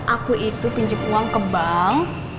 aku itu pinjam uang ke bank